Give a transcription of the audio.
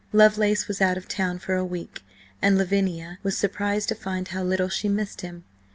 Lovelace was out of town for a week, and Lavinia was surprised to find how little she missed him.